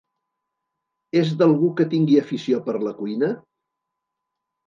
És d'algú que tingui afició per la cuina?